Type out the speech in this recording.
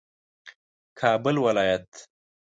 کابل ولایت